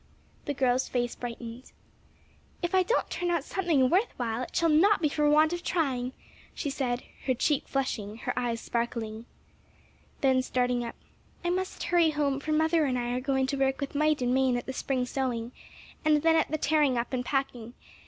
The girl's face brightened. "If I don't turn out something worth while it shall not be for want of trying," she said, her cheek flushing, her eyes sparkling. Then starting up. "I must hurry home; for mother and I are going to work with might and main at the spring sewing; and then at the tearing up and packing.